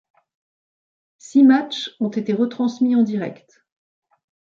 Six matchs ont été retransmis en direct.